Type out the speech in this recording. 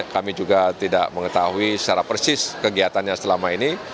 kami juga tidak mengetahui secara persis kegiatannya selama ini